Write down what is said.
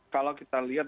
kalau kita lihat